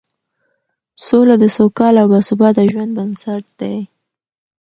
سوله د سوکاله او باثباته ژوند بنسټ دی